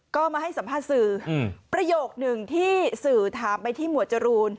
ก็มาให้สัมภาษณ์สื่อประโยคหนึ่งที่สื่อถามไปที่หมวดจรูน